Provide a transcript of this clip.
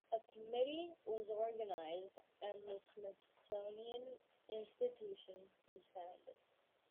A committee was organised and the Smithsonian Institution was founded.